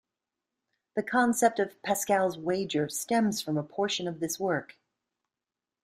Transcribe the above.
The concept of "Pascal's Wager" stems from a portion of this work.